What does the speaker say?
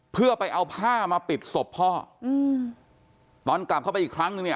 เพื่อไปเอาผ้ามาปิดศพพ่ออืมตอนกลับเข้าไปอีกครั้งนึงเนี่ย